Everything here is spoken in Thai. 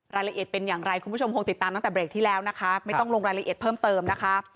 รายละเอียดเป็นอย่างไรคุณผู้ชมคงติดตามตั้งแต่เบรกที่แล้วนะคะไม่ต้องลงรายละเอียดเพิ่มเติมนะคะ